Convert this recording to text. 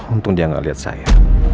untung dia gak lihat saya